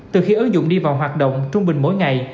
từ khi ứng dụng đi vào hoạt động trung bình mỗi ngày